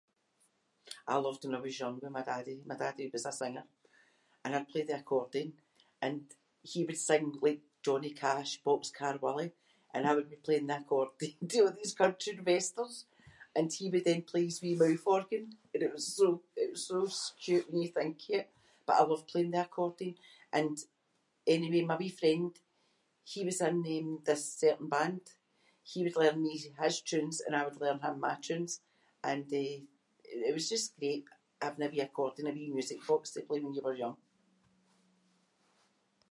I loved when I was young with my daddy. My daddy was a singer and I’d play the accordion and he would sing, like, Johnny Cash, Boxcar Willie, and I would be playing the accordion to a' these country and westerns. And he would then play his wee mouth organ and it was so- it was so cute when you think of it. But I loved playing the accordion and- anyway my wee friend, he was in um this certain band. He would learn me his tunes and I would learn him my tunes and eh it was just great having a wee accordion, a wee music box to play when you were young.